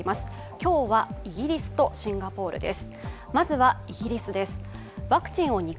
今日はイギリスとシンガポールです。